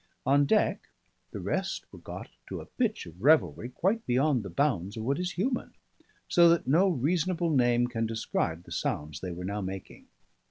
On deck the rest were got to a pitch of revelry quite beyond the bounds of what is human; so that no reasonable name can describe the sounds they were now making.